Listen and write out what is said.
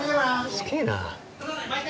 すげえな。